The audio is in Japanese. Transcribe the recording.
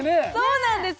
そうなんです